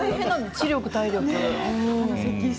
知力体力。